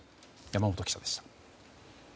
山本記者でした。